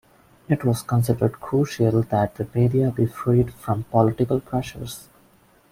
It was considered crucial that the media be freed from political pressures.